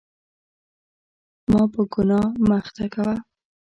ما په ګناه مه اخته کوه.